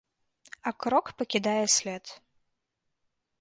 А крок пакідае след.